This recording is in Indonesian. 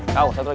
tau satu lagi